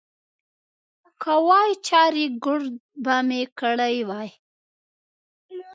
که وای، چارېګرد به مې کړی وای.